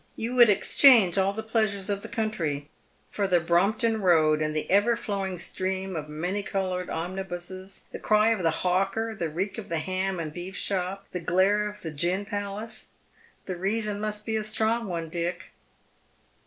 You would exchange all the jleasures of the country for the Brompton Hoad and the ever flowing stream of many coloured omnibuses, the cry of the hawker, the reek of the ham and beef shop, the glare of the gin palace '? The reason must be a strong one, Dick."